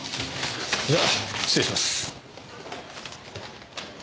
じゃ失礼します。